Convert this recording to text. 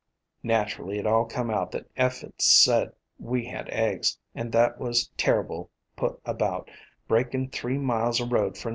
"Naturally it all come out that Eph 'd said we had eggs, and they was terrible put about, breakin' three miles o' road for nothin'.